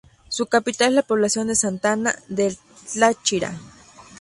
Su capital es la población de Santa Ana del Táchira.